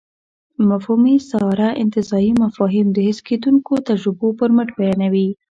مفهومي استعاره انتزاعي مفاهيم د حس کېدونکو تجربو پر مټ بیانوي.